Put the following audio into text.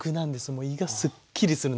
もう胃がすっきりするんですよ。